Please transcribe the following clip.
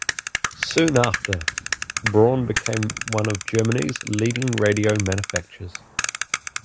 Soon after, Braun became one of Germany's leading radio manufacturers.